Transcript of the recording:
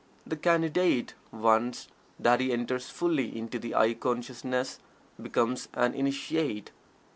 The Candidate, once that he enters fully into the "I" consciousness, becomes an "Initiate."